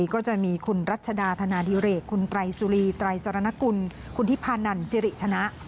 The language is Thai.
ก็จะมีคุณรัชดาธนาธิเรกคุณทรายสุรีทรายซารานกุลคุณทิพานันซิริชนะ